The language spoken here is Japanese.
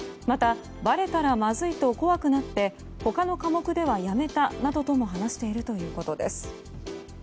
また、ばれたらまずいと怖くなって他の科目ではやめたなどとも話しているということです。